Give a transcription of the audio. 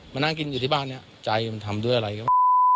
มานั่งกินอยู่ที่บ้านเนี่ยใจมันทำด้วยอะไรก็